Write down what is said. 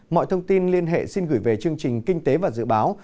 mọi thông tin liên hệ xin gửi về chương trình kinh tế và dự báo